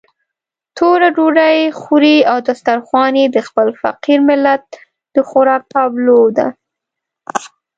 توره ډوډۍ خوري او دسترخوان يې د خپل فقير ملت د خوراک تابلو ده.